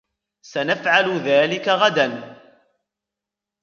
سنفعل ذلك غداً.